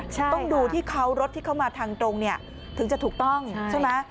ต้องดูที่เขารถที่เข้ามาทางตรงเนี่ยถึงจะถูกต้องใช่ไหม